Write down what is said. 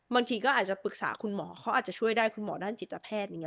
บางทีก็อาจจะปรึกษาคุณหมอเขาอาจจะช่วยได้คุณหมอด้านจิตแพทย์อย่างนี้